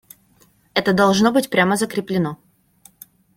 Это должно быть прямо закреплено.